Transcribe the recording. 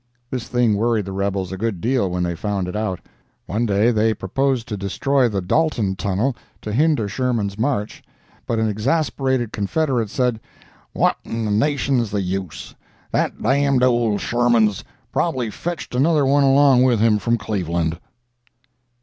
This thing worried the rebels a good deal when they found it out. One day they proposed to destroy the Dalton tunnel, to hinder Sherman's march, but an exasperated Confederate said: "What in the nation's the use? That d——d old Sherman's prob'ly fetched another one along with him from Cleveland!"